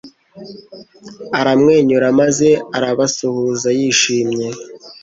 Aramwenyura maze arabasuhuza yishimye